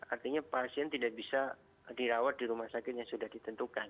artinya pasien tidak bisa dirawat di rumah sakit yang sudah ditentukan